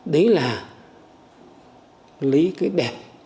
đấy là lấy cái đẹp